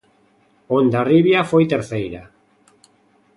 Hondarribia foi terceira.